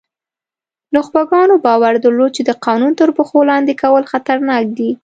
نخبګانو باور درلود چې د قانون تر پښو لاندې کول خطرناک دي.